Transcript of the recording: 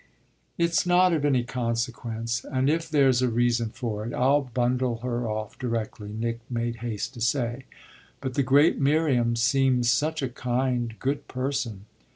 "It's not of any consequence, and if there's a reason for it I'll bundle her off directly," Nick made haste to say. "But the great Miriam seems such a kind, good person."